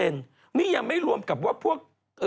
นี่ยังไม่รวมกับว่าพวก